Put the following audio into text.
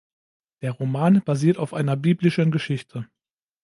Der Roman basiert auf einer biblischen Geschichte.